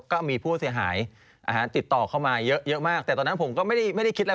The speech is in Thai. ก็มีผู้เสียหายติดต่อเข้ามาเยอะเยอะมากแต่ตอนนั้นผมก็ไม่ได้คิดอะไร